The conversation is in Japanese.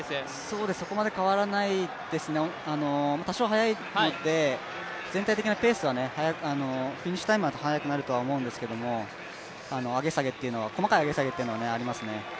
そこまで変わらないですね、多少速いので、全体的なペースは、フィニッシュタイムは速くなると思うんですけれども、細かい上げ下げというのはありますね。